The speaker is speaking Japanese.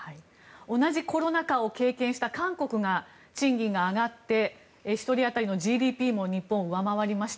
同じコロナ禍を経験した韓国が賃金が上がって１人当たりのＧＤＰも日本を上回りました。